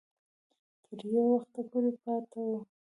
تر یو وخته پورې پاته وو.